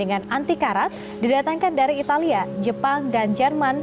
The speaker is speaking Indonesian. dengan anti karat didatangkan dari italia jepang dan jerman